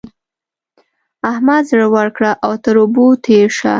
احمد زړه وکړه او تر اوبو تېر شه.